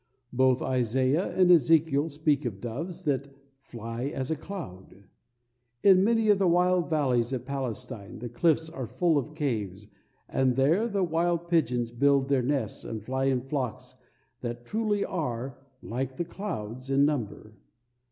Both Isaiah and Ezekiel speak of doves that "fly as a cloud." In many of the wild valleys of Palestine the cliffs are full of caves, and there the wild pigeons build their nests and fly in flocks that truly are "like the clouds" in number.